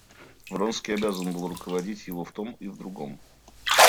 Вронский обязан был руководить его в том и в другом.